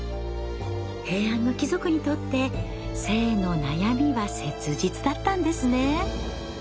平安の貴族にとって性の悩みは切実だったんですね。